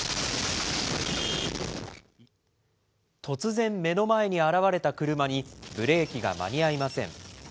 突然、目の前に現れた車にブレーキが間に合いません。